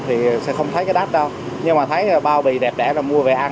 thì không thấy cái đát đâu nhưng mà thấy bao bì đẹp đẽ rồi mua về ăn